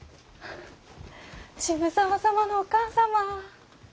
渋沢様のお母様！